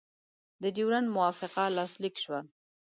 د ډیورنډ موافقه لاسلیک شوه.